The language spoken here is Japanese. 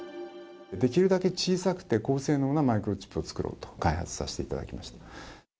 できるだけ小さくて、高性能なマイクロチップを作ろうと開発させていただきました。